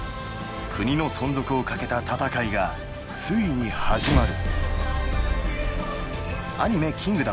国の存続をかけた戦いがついに始まる。